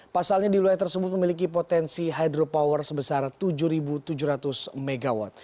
pasalnya di wilayah tersebut memiliki potensi hydropower sebesar tujuh tujuh ratus mw